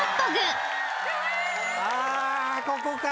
あここか。